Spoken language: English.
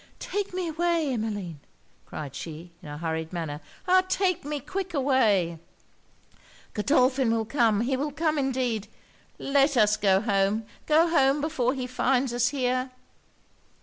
'Take me away, Emmeline!' cried she, in a hurried manner 'ah! take me quick away! Godolphin will come, he will come indeed. Let us go home go home before he finds us here!'